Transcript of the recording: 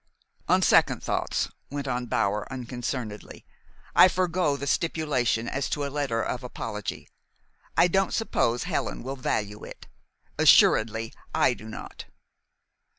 "On second thoughts," went on Bower unconcernedly, "I forego the stipulation as to a letter of apology. I don't suppose Helen will value it. Assuredly, I do not."